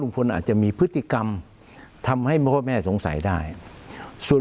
อาจจะมีพฤติกรรมทำให้พ่อแม่สงสัยได้ส่วน